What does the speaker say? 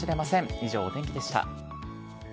以上、お天気でした。